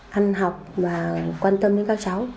hăn học và quan tâm đến các cháu